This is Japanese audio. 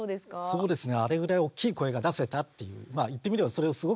そうですね。